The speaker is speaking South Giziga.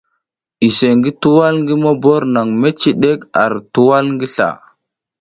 Iseʼe ngi tuwal ngi mobor nang mecidek ar tuwal ngi sla.